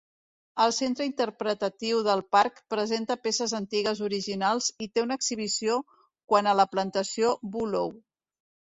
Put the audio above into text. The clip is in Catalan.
El centre interpretatiu del parc presenta peces antigues originals i té una exhibició quant a la Plantació Bulow.